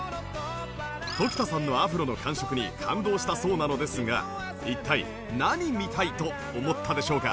常田さんのアフロの感触に感動したそうなのですが一体「何みたい」と思ったでしょうか？